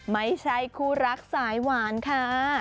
ไม่ใช่คู่รักสายหวานค่ะ